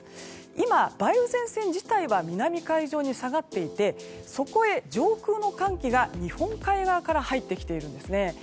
今、梅雨前線自体は南海上に下がっていてそこへ上空の寒気が日本海側から入ってきています。